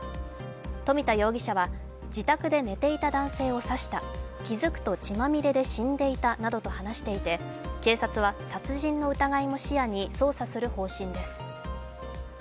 富田容疑者は自宅で寝ていた男性を刺した、気づくと血まみれで死んでいたなどと話していて警察は殺人の疑いも視野に捜査する方針です。